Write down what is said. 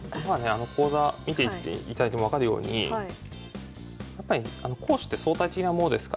講座見ていただいても分かるようにやっぱり攻守って相対的なものですから。